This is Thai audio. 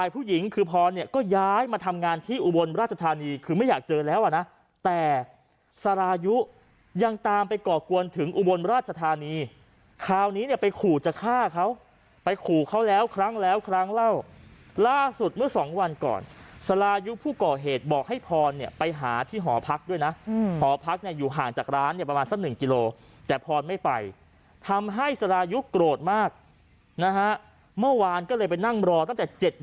ผู้หญิงคือพรเนี้ยก็ย้ายมาทำงานที่อุบลราชธานีคือไม่อยากเจอแล้วอะนะแต่สารายุยังตามไปก่อกวนถึงอุบลราชธานีคราวนี้เนี้ยไปขู่จะฆ่าเขาไปขู่เขาแล้วครั้งแล้วครั้งแล้วล่าสุดเมื่อสองวันก่อนสารายุผู้ก่อเหตุบอกให้พรเนี้ยไปหาที่หอพักด้วยนะอืมหอพักเนี้ยอยู่ห่างจากร้านเนี้ยประมาณสักหนึ่งกิโลแต่